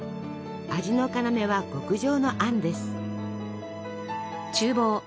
味の要は極上のあんです。